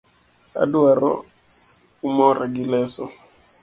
Aduaro umora gi leso